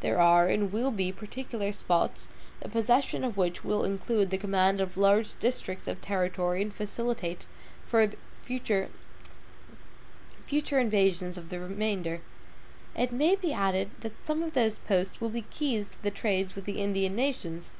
There are, and will be, particular posts, the possession of which will include the command of large districts of territory, and facilitate future invasions of the remainder. It may be added that some of those posts will be keys to the trade with the Indian nations.